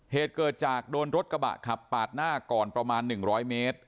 เหตุเกิดจากโดนรถกระบะขับปาดหน้าก่อนประมาณ๑๐๐เมตร